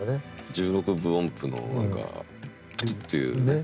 １６分音符の何かプツッていう。